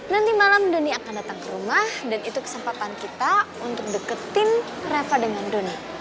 nanti malam doni akan datang ke rumah dan itu kesempatan kita untuk deketin rava dengan doni